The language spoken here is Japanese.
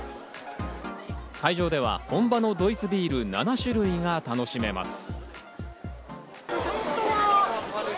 会場では本場のドイツビール、７種類が楽しめます。